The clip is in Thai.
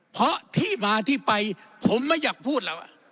เพราะที่มาที่ไปผมไม่อยากพูดแล้ว